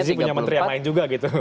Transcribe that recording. pasti punya menteri yang lain juga gitu